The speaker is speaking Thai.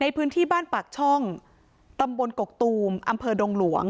ในพื้นที่บ้านปากช่องตำบลกกตูมอำเภอดงหลวง